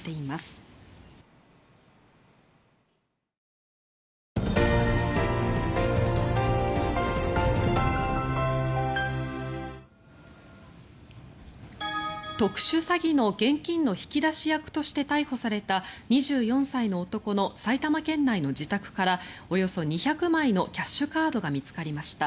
藤森容疑者は昨日朝に闇バイトに応募し特殊詐欺の現金の引き出し役として逮捕された２４歳の男の埼玉県内の自宅からおよそ２００枚のキャッシュカードが見つかりました。